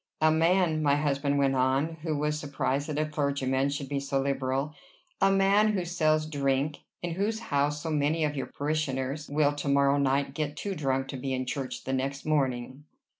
"A man" my husband went on, who was surprised that a clergyman should be so liberal "a man who sells drink! in whose house so many of your parishioners will to morrow night get too drunk to be in church the next morning!"